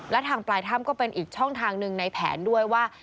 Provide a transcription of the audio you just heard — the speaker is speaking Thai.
และทางปลายถ้ำก็เป็นอีกช่องทางหนึ่งในแผนด้วยว่า